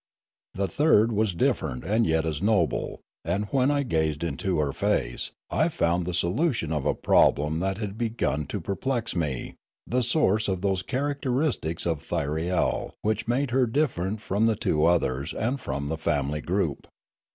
The third was different and yet as noble, and when I gazed into her face I found the solution of a problem that had begun to perplex me, the source of those characteristics of Thyriel which made her different from the two others and from the family group.